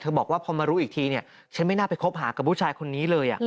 บอกว่าพอมารู้อีกทีเนี่ยฉันไม่น่าไปคบหากับผู้ชายคนนี้เลย